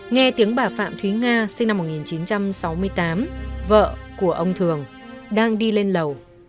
nghe tiếng bà phạm thúy nga sinh năm một nghìn chín trăm sáu mươi tám vợ của ông thường đang đi lên lầu